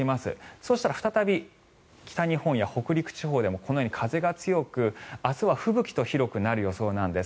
そうしたら、再び北日本や北陸地方でもこのように風が強く明日は吹雪と広くなる予想なんです。